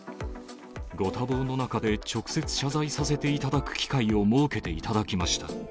ご多忙の中で直接謝罪させていただく機会を設けていただきました。